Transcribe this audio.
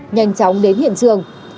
nhanh chóng đến hiện trường